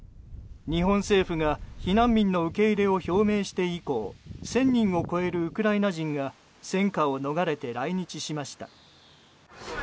日本政府が避難民の受け入れを表明して以降１０００人を超えるウクライナ人が戦火を逃れて来日しました。